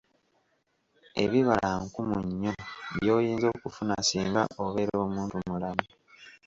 Ebibala nkumu nnyo by'oyinza okufuna singa obeera omuntumulamu.